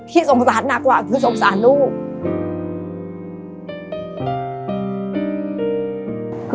สงสารหนักกว่าคือสงสารลูก